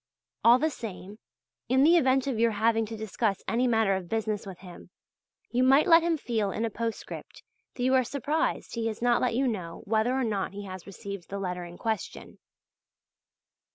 All the same, in the event of your having to discuss any matter of business with him, you might let him feel in a postscript that you are surprised he has not let you know whether or not he has received the letter in question.